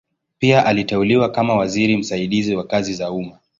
Pia aliteuliwa kama waziri msaidizi wa kazi za umma.